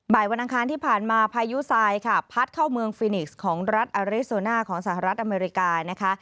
วันอังคารที่ผ่านมาพายุทรายค่ะพัดเข้าเมืองฟินิกส์ของรัฐอเรโซน่าของสหรัฐอเมริกานะคะ